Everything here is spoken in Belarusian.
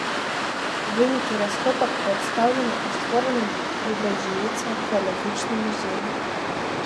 Вынікі раскопак прадстаўлены ў створаным пры базіліцы археалагічным музеі.